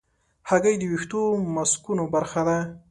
هګۍ د ویښتو ماسکونو برخه ده.